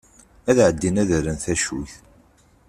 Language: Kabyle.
Ad ɛeddin ad rren tacuyt.